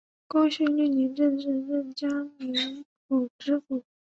光绪六年正式任江宁府知府。